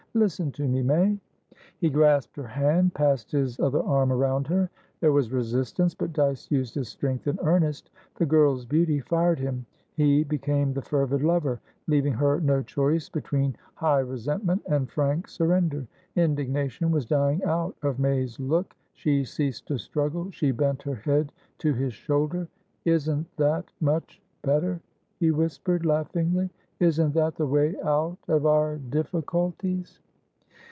Listen to me, May!" He grasped her hand, passed his other arm around her. There was resistance, but Dyce used his strength in earnest. The girl's beauty fired him; he became the fervid lover, leaving her no choice between high resentment and frank surrender. Indignation was dying out of May's look. She ceased to struggle, she bent her head to his shoulder. "Isn't that much better?" he whispered, laughingly. "Isn't that the way out of our difficulties?"